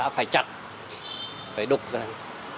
phải chặt phải đục ra đây